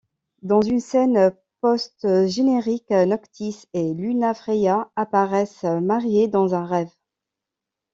Dans une scène post-générique, Noctis et Lunafreya apparaissent mariés dans un rêve.